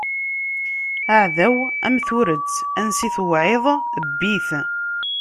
Aɛdaw am turet, ansi tewɛiḍ bbi-t.